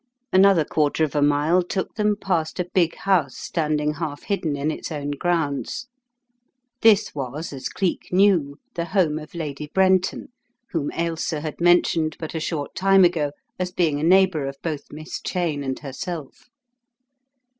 Another quarter of an hour took them past a big house stand ing half hidden in its own grounds. This was, as Cleek knew, the home of Lady Brenton, whom Ailsa had mentioned but a short time ago as being a neighbour of both Miss Cheyne and herself.